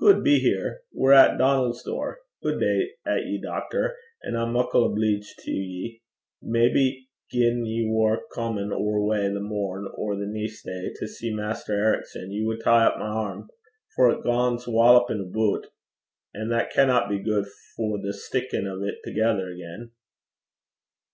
'Guid be here! we're at Donal's door! Guid day to ye, doctor; an' I'm muckle obleeged to ye. Maybe, gin ye war comin' oor gait, the morn, or the neist day, to see Maister Ericson, ye wad tie up my airm, for it gangs wallopin' aboot, an' that canna be guid for the stickin' o' 't thegither again.'